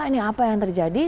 ini apa yang terjadi